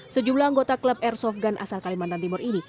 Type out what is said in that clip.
sejumlah anggota klub airsoft gun asal kalimantan timur ini